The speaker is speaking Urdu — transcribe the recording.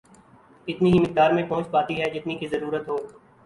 اتنی ہی مقدار میں پہنچ پاتی ہے جتنی کہ ضرورت ہو